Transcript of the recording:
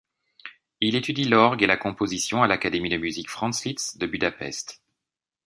Il étudie l'orgue et la composition à l’Académie de musique Franz-Liszt de Budapest.